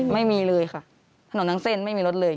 ไม่มีเลยค่ะถนนทั้งเส้นไม่มีรถเลย